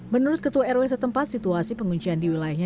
menurut ketua rw setempat situasi penguncian di wilayahnya